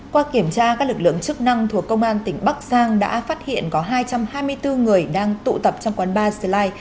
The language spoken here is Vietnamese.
qua kiểm tra các lực lượng chức năng thuộc công an tỉnh bắc giang đã phát hiện có hai trăm hai mươi bốn người đang tụ tập trong quán bar sli